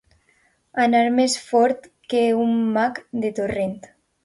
Anar més fort que un mac de torrent.